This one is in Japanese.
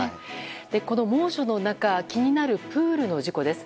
この猛暑の中気になるプールの事故です。